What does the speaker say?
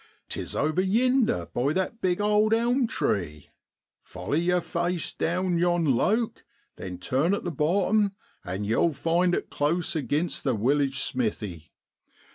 6 'Tis over yinder, by that big owd elm tree. Foller yer face down yon ' loke,' then turn at the bottom, and yow'll find it close aginst the willage smithy.'